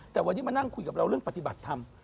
แต่วันนี้มานั่งคุยกับเราเรื่องปฏิบัติธรรม